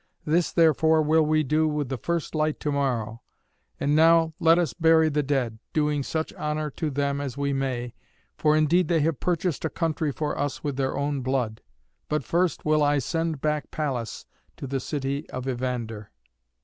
This, therefore, will we do with the first light to morrow. And now let us bury the dead, doing such honour to them as we may, for indeed they have purchased a country for us with their own blood. But first will I send back Pallas to the city of Evander."